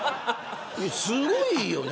すごいよね。